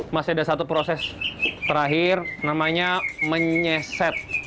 masih ada satu proses terakhir namanya menyeset